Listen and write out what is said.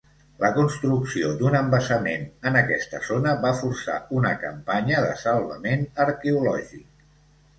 La construcció d'un embassament en aquesta zona va forçar una campanya de salvament arqueològic.